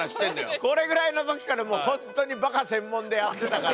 これぐらいの時から本当にバカ専門でやってたから。